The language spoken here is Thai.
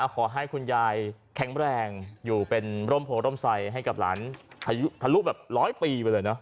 ขอให้คุณยายแข็งแรงอยู่เป็นร่มโพร่มใส่ให้กับหลานทะลุแบบร้อยปีไปเลยเนอ